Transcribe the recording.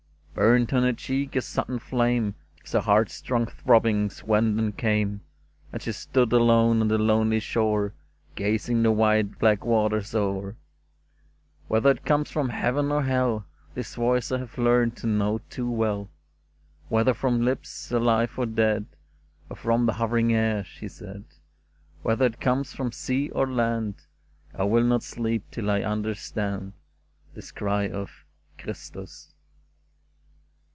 " Burned on her cheek a sudden flame As her heart's strong throbbings went and came, And she stood alone on the lonely shore, Gazing the wide black waters o'er. *' CHRISTUS !" 165 *' Whether it comes from heaven or hell, This voice I have learned to know too well — Whether from lips alive or dead, Or from the hovering air," she said — "Whether it comes from.sea or land, I will not sleep till I understand This cry of ' Christus